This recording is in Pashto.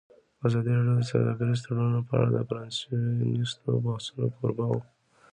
ازادي راډیو د سوداګریز تړونونه په اړه د پرانیستو بحثونو کوربه وه.